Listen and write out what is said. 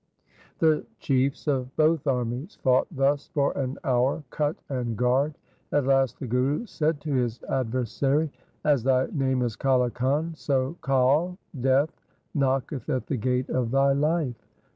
The chiefs of both armies fought thus for an hour, cut and guard. At last the Guru said to his adver sary, ' As thy name is Kale Khan, so Kal — death — knocketh at the gate of thy life.'